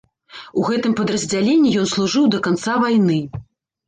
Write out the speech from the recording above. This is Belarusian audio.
У гэтым падраздзяленні ён служыў да канца вайны.